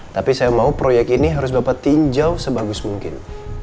tapi saya mau proyek ini harus bapak tinjau sebagus mungkin